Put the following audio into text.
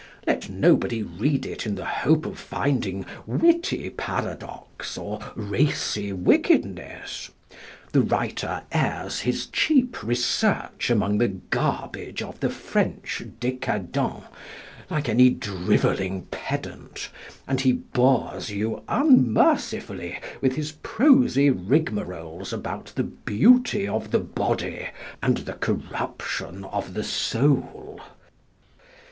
Let nobody read it in the hope of finding witty paradox or racy wickedness. The writer airs his cheap research among the garbage of the French Décadents like any drivelling pedant, and he bores you unmercifully with his prosy rigmaroles about the beauty of the Body and the corruption of the Soul.